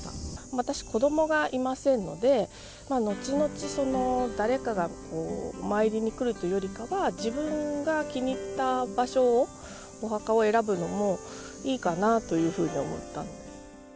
私、子どもがいませんので、後々、誰かがお参りに来るというよりかは、自分が気に入った場所を、お墓を選ぶのもいいかなというふうに思ったんです。